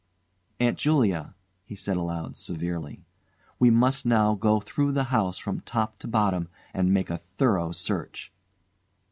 "Aunt Julia," he said aloud, severely, "we must now go through the house from top to bottom and make a thorough search."